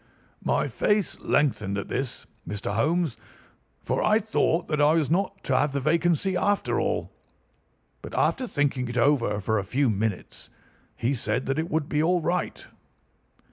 "My face lengthened at this, Mr. Holmes, for I thought that I was not to have the vacancy after all; but after thinking it over for a few minutes he said that it would be all right.